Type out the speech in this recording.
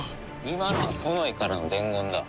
今のはソノイからの伝言だ。